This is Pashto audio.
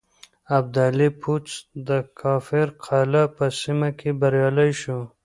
ابدالي پوځ د کافر قلعه په سيمه کې بريالی شو.